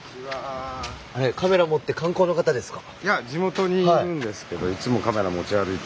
カメラ持って観光の方ですか？